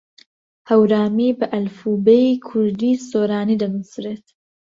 هەورامی بە ئەلفوبێی کوردیی سۆرانی دەنووسرێت.